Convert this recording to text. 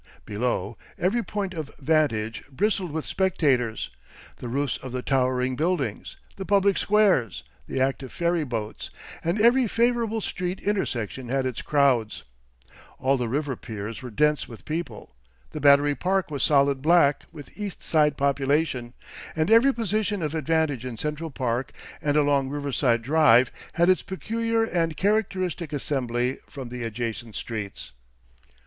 Below, every point of vantage bristled with spectators, the roofs of the towering buildings, the public squares, the active ferry boats, and every favourable street intersection had its crowds: all the river piers were dense with people, the Battery Park was solid black with east side population, and every position of advantage in Central Park and along Riverside Drive had its peculiar and characteristic assembly from the adjacent streets.